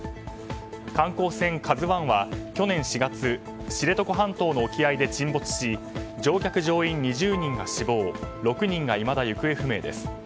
観光船「ＫＡＺＵ１」は去年４月知床半島の沖合で沈没し乗客・乗員２０人が死亡６人がいまだ行方不明です。